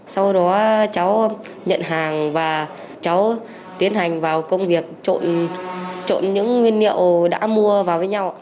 sau đó cháu nhận hàng và cháu tiến hành vào công việc trộn những nguyên liệu đã mua vào với nhau